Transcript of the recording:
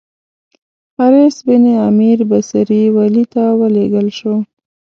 حارث بن عمیر بصري والي ته ولېږل شو.